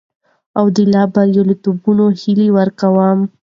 او د لا برياليتوبونو هيله ورته کوم.